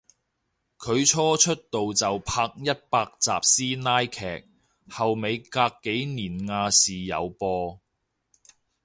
佢初出道就拍一百集師奶劇，後尾隔幾年亞視有播